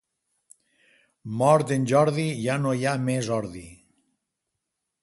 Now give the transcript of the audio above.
Mort en Jordi, ja no hi ha més ordi.